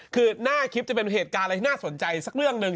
คือหน้าคลิปจะเป็นเหตุการณ์อะไรที่น่าสนใจสักเรื่องหนึ่ง